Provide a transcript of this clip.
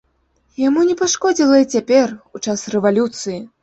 Яму не пашкодзіла і цяпер, у час рэвалюцыі.